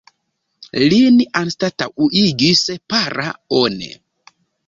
Lin anstataŭigis Para One.